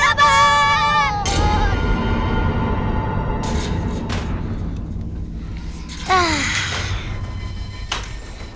apa yang kamu inginkan kakak